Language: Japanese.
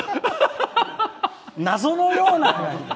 謎のような。